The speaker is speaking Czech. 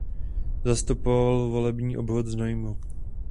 Zastupoval volební obvod Znojmo.